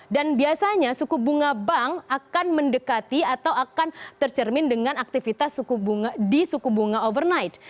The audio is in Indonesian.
dan biasanya suku bunga bank akan mendekati atau akan tercermin dengan aktivitas di suku bunga overnight